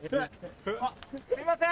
すいません！